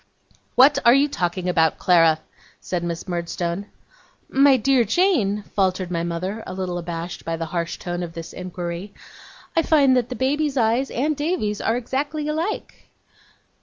'What are you talking about, Clara?' said Miss Murdstone. 'My dear Jane,' faltered my mother, a little abashed by the harsh tone of this inquiry, 'I find that the baby's eyes and Davy's are exactly alike.